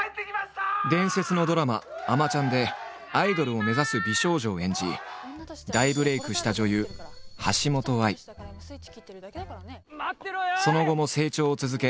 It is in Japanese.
伝説のドラマ「あまちゃん」でアイドルを目指す美少女を演じ大ブレークしたその後も成長を続け